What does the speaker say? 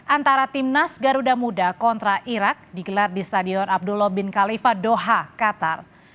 antara timnas garuda muda kontra irak digelar di stadion abdullah bin khalifa doha qatar